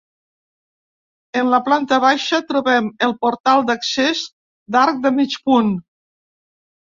En la planta baixa trobem el portal d'accés d'arc de mig punt.